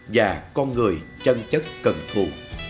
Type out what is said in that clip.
và con người chân chất cần thù